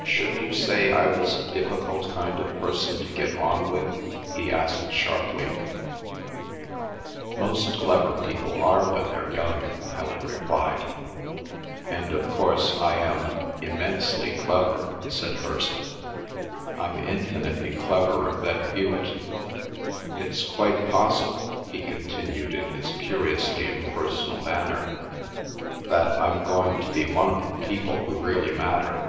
"Should you say I was a difficult kind of person to get on with?" he asked sharply. "Most clever people are when they're young," Helen replied. "And of course I am—immensely clever," said Hirst. "I'm infinitely cleverer than Hewet. It's quite possible," he continued in his curiously impersonal manner, "that I'm going to be one of the people who really matter.